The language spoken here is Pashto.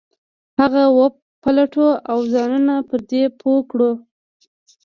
هغه وپلټو او ځانونه پر دې پوه کړو.